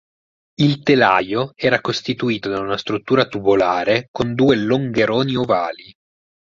Il telaio era costituito da una struttura tubolare con due longheroni ovali.